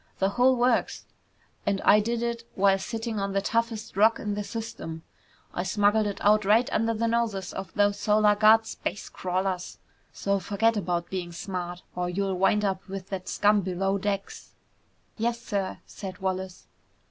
The whole works! And I did it while sitting on the toughest Rock in the system. I smuggled it out right under the noses of those Solar Guard space crawlers. So forget about being smart, or you'll wind up with that scum below decks!" "Yes, sir!" said Wallace.